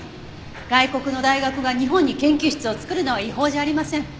外国の大学が日本に研究室を作るのは違法じゃありません。